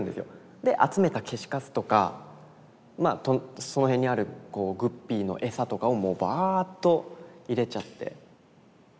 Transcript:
で集めた消しかすとかまあその辺にあるグッピーの餌とかをもうバーッと入れちゃって。